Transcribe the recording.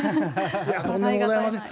とんでもございません。